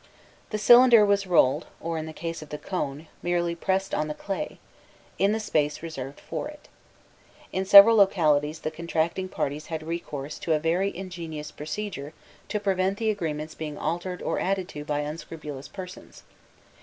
The cylinder was rolled, or, in the case of the cone, merely pressed on the clay, in the space reserved for it. In several localities the contracting parties had recourse to a very ingenious procedure to prevent the agreements being altered or added to by unscrupulous persons.